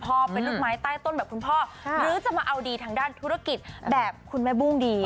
เป็นลูกไม้ใต้ต้นแบบคุณพ่อหรือจะมาเอาดีทางด้านธุรกิจแบบคุณแม่บุ้งดี